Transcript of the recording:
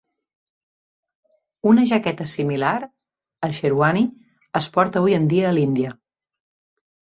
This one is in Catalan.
Una jaqueta similar , el sherwani, es porta avui en dia a l'Índia.